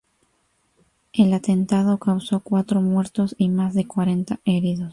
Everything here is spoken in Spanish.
El atentado causó cuatro muertos y más de cuarenta heridos.